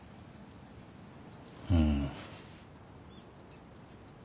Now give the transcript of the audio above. うん。